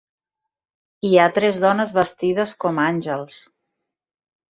Hi ha tres dones vestides com àngels.